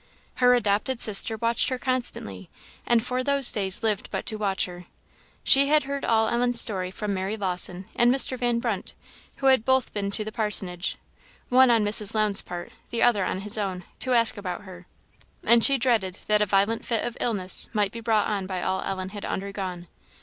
Her adopted sister watched her constantly, and for those days lived but to watch her. She had heard all Ellen's story from Mary Lawson and Mr. Van Brunt, who had both been to the parsonage one on Mrs. Lowndes' part, the other on his own to ask about her; and she dreaded that a violent fit of illness might be brought on by all Ellen had undergone.